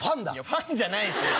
ファンじゃないし。